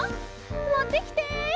もってきて。